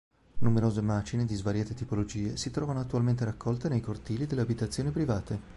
Numerose macine, di svariate tipologie, si trovano attualmente raccolte nei cortili delle abitazioni private.